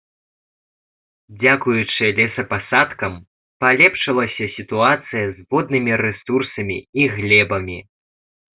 Дзякуючы лесапасадкам, палепшылася сітуацыя з воднымі рэсурсамі і глебамі.